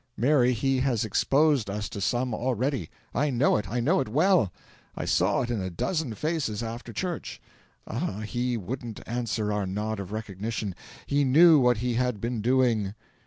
Mary, he has exposed us to some already. I know it I know it well. I saw it in a dozen faces after church. Ah, he wouldn't answer our nod of recognition he knew what he had been doing!"